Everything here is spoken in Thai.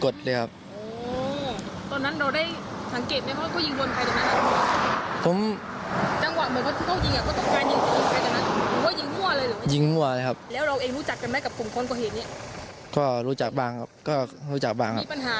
เปิดสภาพให้รายรักจากทุกคน